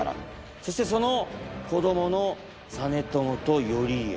そしてその子供の実朝と頼家。